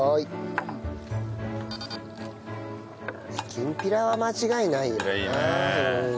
きんぴらは間違いないよな。